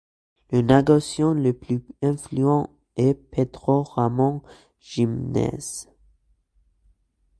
Le négociant le plus influent est Pedro Ramon Jimenez.